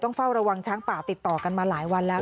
เฝ้าระวังช้างป่าติดต่อกันมาหลายวันแล้ว